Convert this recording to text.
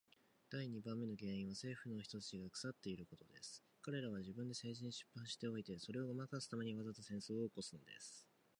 第二番目の原因は政府の人たちが腐っていることです。彼等は自分で政治に失敗しておいて、それをごまかすために、わざと戦争を起すのです。